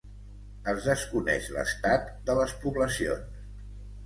Es desconeix l'estat de les poblacions.